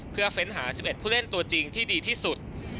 เพื่อเฟ้นหา๑๑ผู้เล่นตัวจริงที่ดีที่สุด